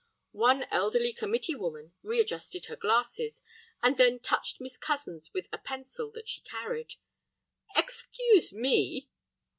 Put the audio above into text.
One elderly committee woman readjusted her glasses, and then touched Miss Cozens with a pencil that she carried. "Excuse me."